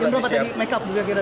yang berapa tadi make up